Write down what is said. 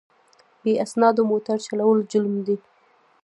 بې اسنادو موټر چلول جرم دی.